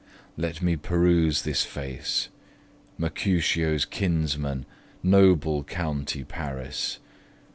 Let me peruse this face Mercutio's kinsman! noble county Paris!